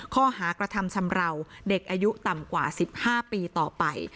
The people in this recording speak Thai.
ข้อหากระทำชำราวเด็กอายุต่ำกว่า๑๕ปีต่อไป